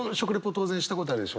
当然したことあるでしょ？